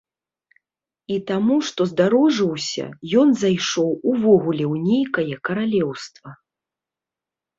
І таму, што здарожыўся, ён зайшоў увогуле ў нейкае каралеўства.